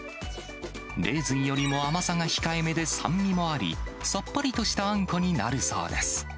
レーズンよりも甘さが控えめで酸味もあり、さっぱりとしたあんこになるそうです。